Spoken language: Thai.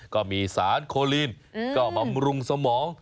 ก็มีสารโคลีนก็บำรุงสมอง